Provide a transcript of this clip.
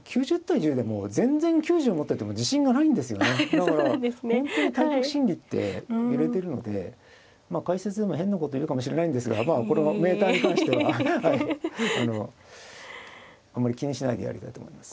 だから本当に対局心理って揺れてるのでまあ解説でも変なこと言うかもしれないんですがまあこれもメーターに関してはあんまり気にしないでやりたいと思います。